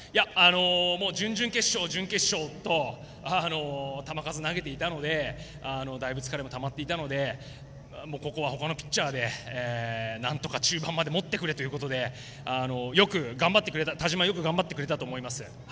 準々決勝、準決勝と球数投げていたのでだいぶ疲れもたまっていたのでここはほかのピッチャーでなんとか中盤まで持ってくれということでよく田嶋は頑張ってくれたと思います。